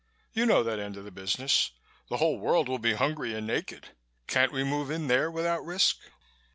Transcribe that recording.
"You know that end of the business. The whole world will be hungry and naked. Can't we move in there without risk?"